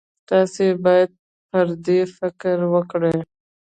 تاسې باید پر دې فکر وکړئ.